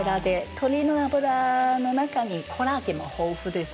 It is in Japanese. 鶏の脂の中にコラーゲンも豊富です。